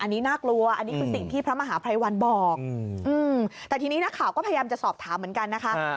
อันนี้น่ากลัวอันนี้คือสิ่งที่พระมหาภัยวันบอกแต่ทีนี้นักข่าวก็พยายามจะสอบถามเหมือนกันนะคะ